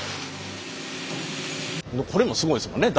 これもすごいですもんね。